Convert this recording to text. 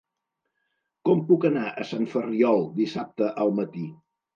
Com puc anar a Sant Ferriol dissabte al matí?